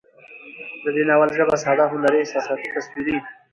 د دې ناول ژبه ساده، هنري، احساساتي، تصويري